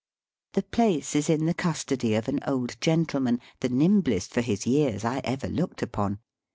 / The place is in the custody of an old gentleman, the nimblest for his years I ever looked upon.